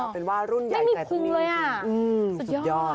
เป็นว่ารุ่นใหญ่ในตัวนี้ไม่มีพึงเลยอะ